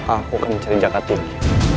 aku akan mencari jangka tinggi